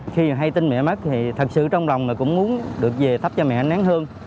khi hay tin mẹ mất thì thật sự trong lòng cũng muốn được về thắp cho mẹ nén hương